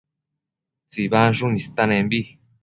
tsibansshun istanembi